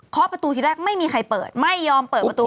ประตูทีแรกไม่มีใครเปิดไม่ยอมเปิดประตู